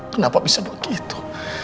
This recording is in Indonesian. kenapa bisa begitu